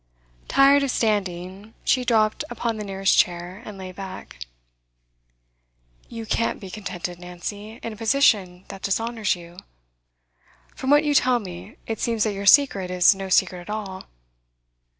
Tired of standing, she dropped upon the nearest chair, and lay back. 'You can't be contented, Nancy, in a position that dishonours you. From what you tell me, it seems that your secret is no secret at all.